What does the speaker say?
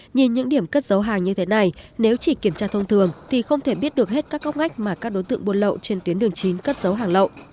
nhìn những điểm cất dấu hàng như thế này nếu chỉ kiểm tra thông thường thì không thể biết được hết các góc ngách mà các đối tượng buôn lậu trên tuyến đường chín cất dấu hàng lậu